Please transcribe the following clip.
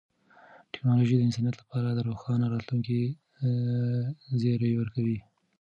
ټیکنالوژي د انسانیت لپاره د روښانه راتلونکي زیری ورکوي.